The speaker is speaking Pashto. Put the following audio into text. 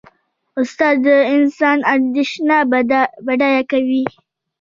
استاد د انسان اندیشه بډایه کوي.